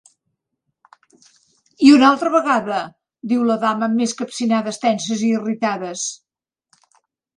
"I una altra vegada", diu la dama amb més capcinades tenses i irritades.